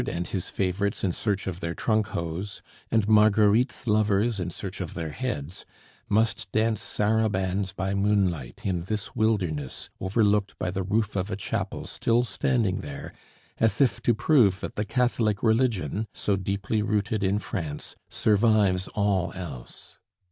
and his favorites in search of their trunk hose, and Marguerite's lovers in search of their heads, must dance sarabands by moonlight in this wilderness overlooked by the roof of a chapel still standing there as if to prove that the Catholic religion so deeply rooted in France survives all else.